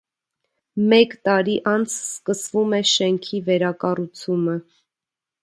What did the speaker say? Մեկ տարի անց սկսվում է շենքի վերակառուցումը։